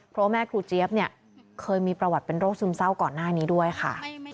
เพราะว่าแม่ครูเจี๊ยบเนี่ยเคยมีประวัติเป็นโรคซึมเศร้าก่อนหน้านี้ด้วยค่ะ